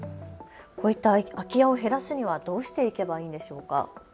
こういった空き家を減らすにはどうしていけばいいんでしょうか。